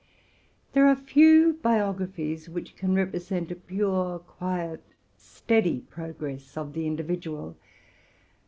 There are few biographies which can represent a pure, quiet, teady progress of the individual.